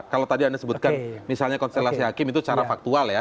kalau tadi anda sebutkan misalnya konstelasi hakim itu secara faktual ya